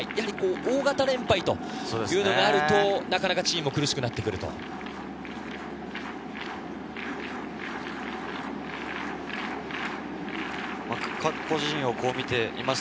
大型連敗というのがあるとチームが苦しくなってきます。